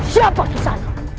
siapa kesana